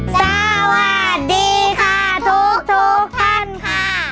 สวัสดีค่ะทุกท่านค่ะ